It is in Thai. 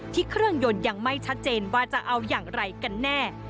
เครื่องยนต์ยังไม่ชัดเจนว่าจะเอาอย่างไรกันแน่